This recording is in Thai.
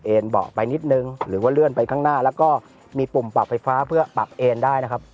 เบาะไปนิดนึงหรือว่าเลื่อนไปข้างหน้าแล้วก็มีปุ่มปรับไฟฟ้าเพื่อปรับเอนได้นะครับ